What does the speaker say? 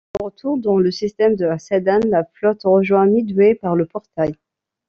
De retour dans le système de Hasadan la flotte rejoint Midway par le portail.